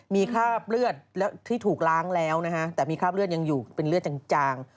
มีคราบเลือดที่ถูกล้างแล้วนะฮะแต่มีคราบเลือดยังอยู่เป็นเลือดจาง